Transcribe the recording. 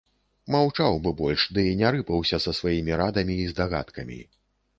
Маўчаў бы больш ды не рыпаўся са сваімі радамі і здагадкамі.